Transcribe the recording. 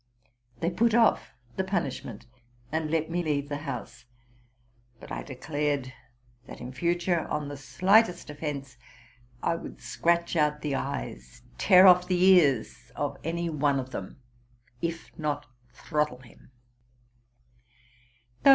They put off the punishment, and let me leave the house ; but I declared, that in future, on the slightest offence, I would scratch out the eyes, tear off the ears, of any one of them, if not throttle him.